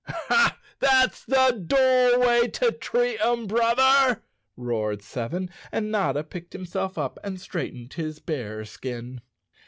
"That's the door way to treat 'em, brother," roared Seven, and Notta picked himself up and straightened his bear skin.